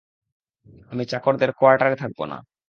আমি চাকরদের, কোয়ার্টারে থাকবো না।